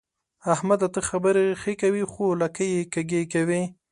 احمده! ته خبرې ښې کوې خو لکۍ يې کږې کوي.